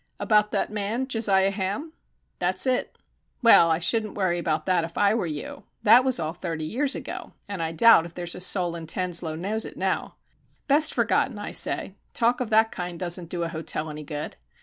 "About that man, Josiah Ham?" "That's it." "Well, I shouldn't worry about that if I were you. That was all thirty years ago, and I doubt if there's a soul in Tanslowe knows it now. Best forgotten, I say. Talk of that kind doesn't do a hotel any good.